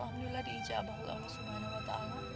alhamdulillah diijabah allah swt